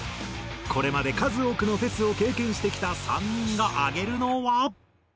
これまで数多くのフェスを経験してきた３人が挙げるのは。